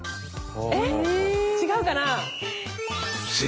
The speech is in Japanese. えっ違うかな？